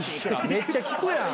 めっちゃ聞くやん。